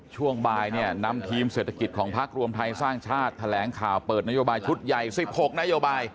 ช่วงบ่ายเนี่ยนำทีมเศรษฐกิจของพักรวมไทยสร้างชาติแถลงข่าวเปิดนโยบายชุดใหญ่๑๖นโยบาย